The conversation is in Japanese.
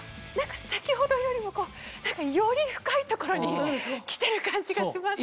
先程よりもより深い所に来てる感じがします。